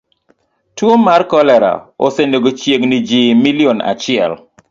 Tuo mar kolera osenego chiegni ji milion achiel.